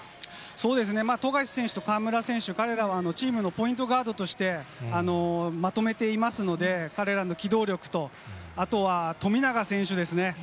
そうですね、富樫選手と河村選手、彼らはチームのポイントガードとして、まとめていますので、彼らの機動力と、あとは富永選手ですね。